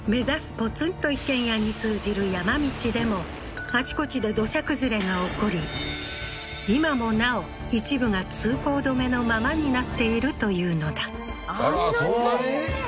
ポツンと一軒家に通じる山道でもあちこちで土砂崩れが起こり今もなお一部が通行止めのままになっているというのだあら